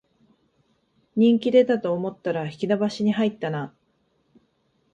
人気出たと思ったら引き延ばしに入ったな